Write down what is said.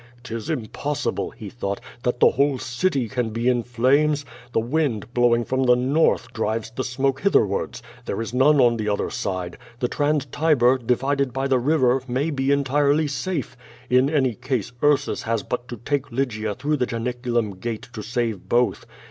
" 'Tis impossible," he thought, "that the whole city can be in flames. Tlie wind, blowing from the north, drives the smoke hitherwards. There is none on the other side. The Trans Tiber, divided by tho river, may be entirely safe. In any case, Ursus has but to take Lygia through the Janiculum gate to save both.